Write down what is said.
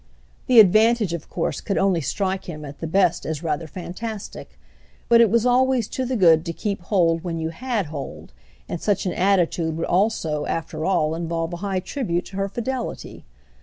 The advantage of course could only strike him at the best as rather fantastic; but it was always to the good to keep hold when you had hold, and such an attitude would also after all involve a high tribute to her fidelity.